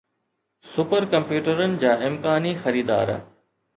super ڪمپيوٽرن جا امڪاني خريدار